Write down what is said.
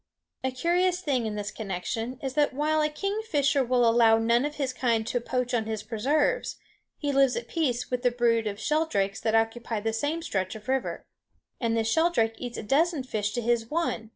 A curious thing, in this connection, is that while a kingfisher will allow none of his kind to poach on his preserves, he lives at peace with the brood of sheldrakes that occupy the same stretch of river. And the sheldrake eats a dozen fish to his one.